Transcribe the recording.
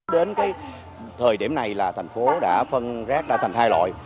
đến thời điểm này là thành phố đã phân rác ra thành hai loại